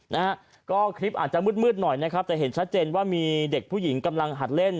นะฮะก็คลิปอาจจะมืดมืดหน่อยนะครับจะเห็นชัดเจนว่ามีเด็กผู้หญิงกำลังหัดเล่น